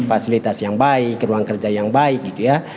fasilitas yang baik ruang kerja yang baik gitu ya